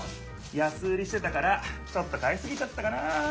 やす売りしてたからちょっと買いすぎちゃったかな。